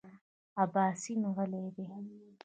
اباسین غلی دی .